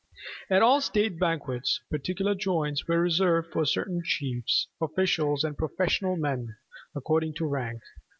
At all state banquets particular joints were reserved for certain chiefs, officials, and professional men, according to rank.